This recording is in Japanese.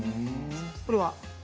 これは。